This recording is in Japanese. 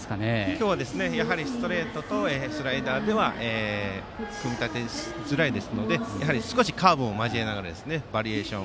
今日はストレートとスライダーだけでは組み立てづらいですので少しカーブも交えながらバリエーション